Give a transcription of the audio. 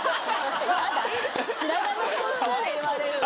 白髪の本数で言われるの？